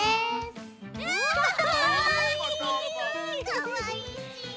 かわいいち。